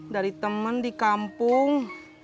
dari temen di kampung